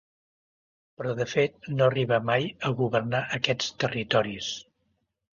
Però de fet no arribà mai a governar aquests territoris.